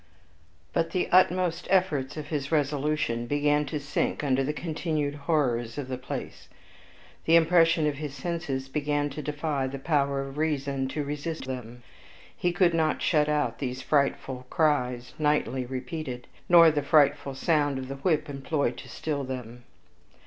But the utmost efforts of his resolution began to sink under the continued horrors of the place. The impression on his senses began to defy the power of reason to resist them. He could not shut out these frightful cries nightly repeated, nor the frightful sound of the whip employed to still them.